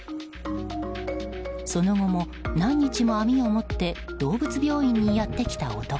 その後も、何日も網を持って動物病院にやってきた男。